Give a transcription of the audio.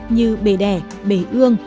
như bề đẻ bề ương